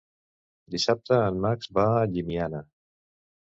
Dissabte en Max va a Llimiana.